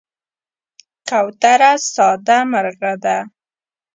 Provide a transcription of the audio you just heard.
کوتره ساده مرغه ده.